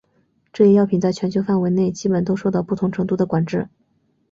这一药品在全球范围内基本都受到不同程度的管制。